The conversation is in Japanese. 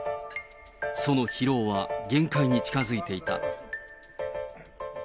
その疲労は限界に近づいていた。